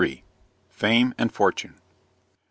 FAME AND FORTUNE. Mr.